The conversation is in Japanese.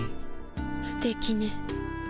すてきね。